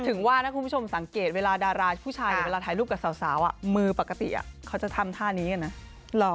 ถึงว่าถ้าคุณผู้ชมสังเกตเวลาดาราผู้ชายหรือเวลาถ่ายรูปกับสาวมือปกติเขาจะทำท่านี้กันนะ